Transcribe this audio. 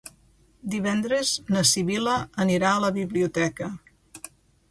Divendres na Sibil·la anirà a la biblioteca.